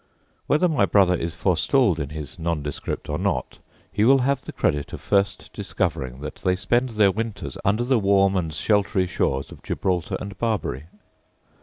Whether my brother is forestalled in his nondescript or not, he will have the credit of first discovering that they spend their winters under the warm and sheltery shores of Gibraltar and Barbary.